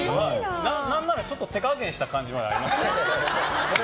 何ならちょっと手加減した感じがありました。